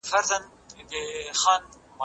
ورزش د بدن د روغتیا لپاره ضروري دی.